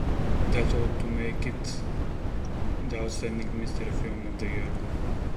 That ought to make it the outstanding mystery film of the year.